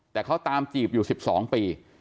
แต่เขาตามจีบอยู่๑๒ปี